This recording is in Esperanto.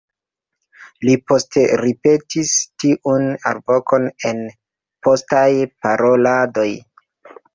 Li poste ripetis tiun alvokon en postaj paroladoj.